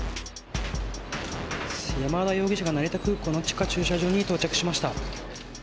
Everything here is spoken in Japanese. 山田容疑者が成田空港の地下駐車場に到着しました。